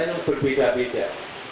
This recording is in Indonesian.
kita yang berpikir pikir